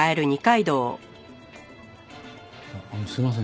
あっあのすいません。